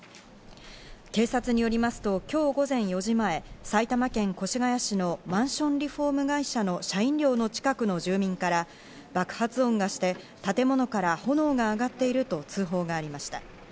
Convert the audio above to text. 警察によりますと、今日午前４時前、埼玉県越谷市のマンションリフォーム会社の社員寮の近くの住民から爆発音がして、建物から炎が上がっていると通報がありました。